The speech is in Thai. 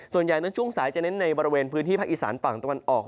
ส่วนใหญ่นั้นช่วงสายจะเน้นในบริเวณพื้นที่ภาคอีสานฝั่งตะวันออก